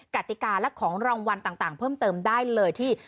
กติกาและของรางวัลต่างเพิ่มเติมได้เลยที่